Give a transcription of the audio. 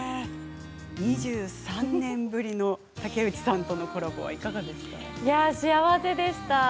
２３年ぶりの竹内さんとのコラボ、いかがでしたか。